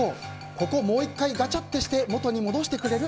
ここもう一回ガチャってして元に戻してくれる？